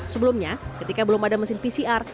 sebelumnya ketika belum ada mesin pcr